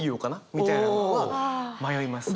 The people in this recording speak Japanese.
みたいなのは迷いますね。